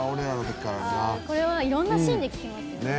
これはいろんなシーンで聴きますね。